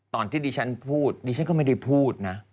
ตอนที่ดิฉันพูดดิฉันก็ไม่ได้พูดนะ